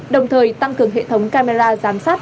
đồng thời tăng cường hệ thống camera giám sát